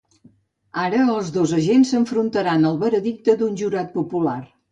Ara els dos agents s’enfrontaran al veredicte d’un jurat popular.